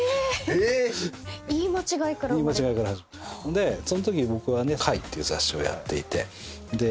でそんとき僕はね『怪』っていう雑誌をやっていて。